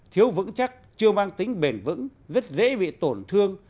thiếu vững chắc chưa mang tính bền vững rất dễ bị tổn thương